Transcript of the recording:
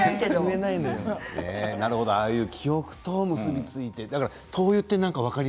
ああいう記憶と結び付いて分かる。